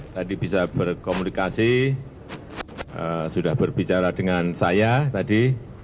tadi bisa berkomunikasi sudah berbicara dengan saya tadi